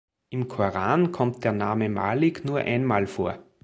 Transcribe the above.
Im Koran kommt der Name Malik nur einmal vor.